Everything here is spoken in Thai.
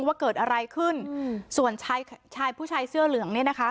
ว่าเกิดอะไรขึ้นอืมส่วนชายชายผู้ชายเสื้อเหลืองเนี่ยนะคะ